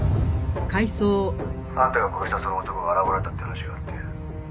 「あんたが殺したその男が現れたって話があって」